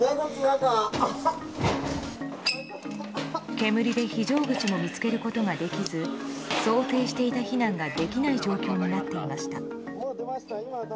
煙で非常口も見つけることができず想定していた避難ができない状況になっていました。